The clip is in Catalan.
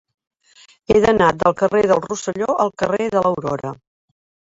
He d'anar del carrer del Rosselló al carrer de l'Aurora.